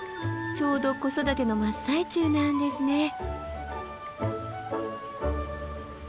ちょうど子育ての真っ最中なんですね。